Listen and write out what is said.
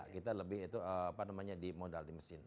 kita lebih itu apa namanya di modal di mesin